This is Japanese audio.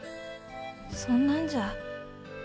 そんなんじゃ。